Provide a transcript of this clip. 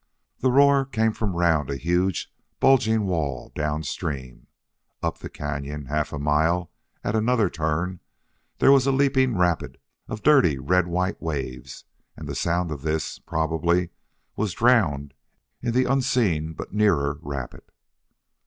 The roar came from round a huge bulging wall downstream. Up the cañon, half a mile, at another turn, there was a leaping rapid of dirty red white waves and the sound of this, probably, was drowned in the unseen but nearer rapid.